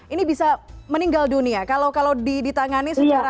ini bisa meninggal dunia kalau kalau ditangani secara